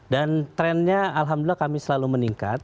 dan trendnya alhamdulillah kami selalu meningkat